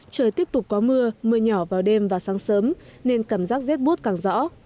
trời tiếp tục có mưa mưa nhỏ vào đêm và sáng sớm nên cảm giác rét bút càng rõ